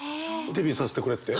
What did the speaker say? デビューさせてくれって？